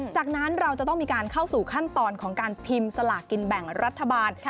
จากนั้นเราจะต้องมีการเข้าสู่ขั้นตอนของการพิมพ์สลากกินแบ่งรัฐบาล